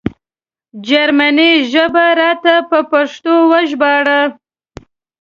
جرمنۍ ژبه راته په پښتو وژباړه